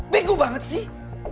bego banget sih